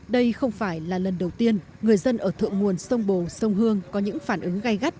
đây không phải là lần đầu tiên người dân ở thượng nguồn sông bồ sông hương có những phản ứng gây gắt